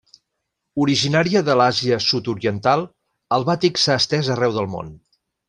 Originari de l'Àsia Sud-oriental, el bàtik s'ha estès arreu del món.